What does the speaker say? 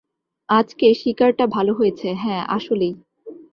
আজকে শিকারটা ভালো হয়েছে, হ্যাঁ আসলেই!